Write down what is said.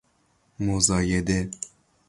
مزایده